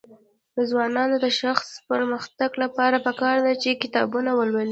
د ځوانانو د شخصي پرمختګ لپاره پکار ده چې کتابونه ولولي.